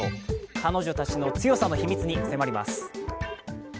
彼女たちの強さの秘密に迫ります。